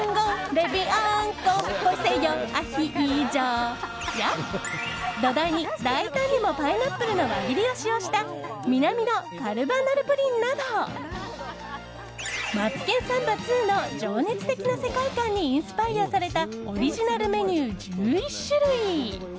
レビアンコ恋せよアヒージョや土台に大胆にもパイナップルの輪切りを使用した南のカルバナルプリンなど「マツケンサンバ２」の情熱的な世界観にインスパイアされたオリジナルメニュー１１種類。